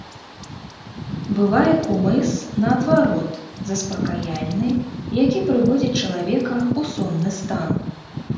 Бывае кумыс, наадварот, заспакаяльны, які прыводзіць чалавека ў сонны стан.